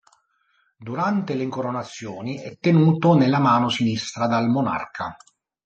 Durante le incoronazioni è tenuto nella mano sinistra dal monarca.